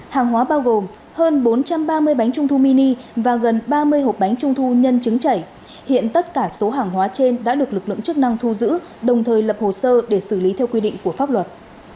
hàng hóa bao gồm hơn bốn trăm ba mươi bánh trung thu mini và gần ba mươi hộp bánh trung thu nhân chứng chảy hiện tất cả số hàng hóa trên đã được lực lượng chức năng thu giữ đồng thời lập hồ sơ để xử lý theo quy định của pháp luật